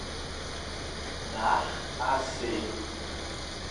Dar a C